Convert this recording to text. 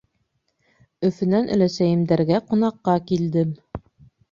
Өфөнән өләсәйемдәргә ҡунаҡҡа килдем.